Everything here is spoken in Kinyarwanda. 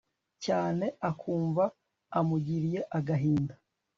cyane akumva amugiriye agahinda